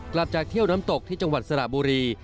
กลับจากเที่ยวน้ำตกที่จังหวัดสระบุรี